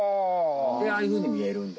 でああいうふうにみえるんだ。